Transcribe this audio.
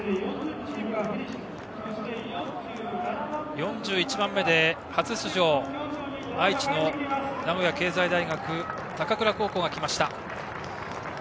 ４１番目で初出場、愛知の名古屋経済大学高蔵高校。